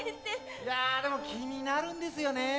いやでも気になるんですよね。